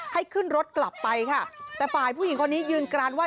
ให้ขึ้นรถกลับไปค่ะแต่ฝ่ายผู้หญิงคนนี้ยืนกรานว่า